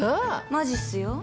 マジっすよ。